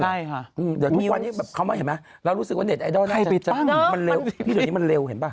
เดี๋ยวทุกวันนี้เขามาเห็นไหมเรารู้สึกว่าเน็ตไอดอลน่ะมันเร็วมันเร็วเห็นป่ะ